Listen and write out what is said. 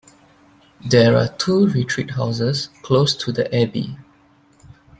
There are two retreat-houses close to the abbey.